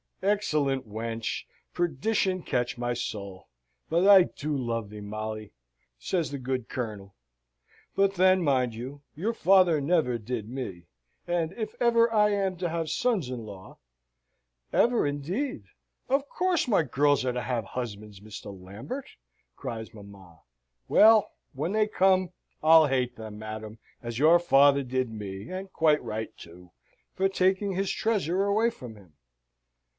"Excellent wench! Perdition catch my soul! but I do love thee, Molly!" says the good Colonel; "but, then, mind you, your father never did me; and if ever I am to have sons in law " "Ever, indeed! Of course my girls are to have husbands, Mr. Lambert!" cries mamma. "Well, when they come, I'll hate them, madam, as your father did me; and quite right too, for taking his treasure away from him."